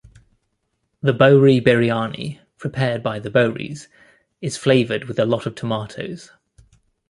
The Bohri biryani, prepared by the Bohris is flavoured with a lot of tomatoes.